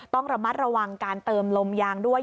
ต้องระมัดระวังการเติมลมยางด้วย